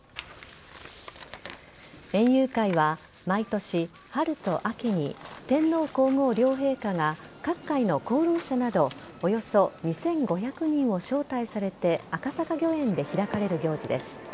園遊会は毎年、春と秋に天皇皇后両陛下が各界の功労者などおよそ２５００人を招待されて赤坂御苑で開かれる行事です。